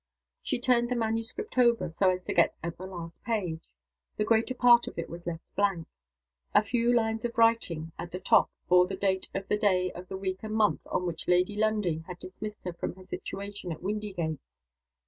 She turned the manuscript over, so as to get at the last page. The greater part of it was left blank. A few lines of writing, at the top, bore the date of the day of the week and month on which Lady Lundie had dismissed her from her situation at Windygates.